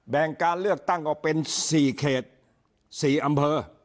การเลือกตั้งออกเป็น๔เขต๔อำเภอ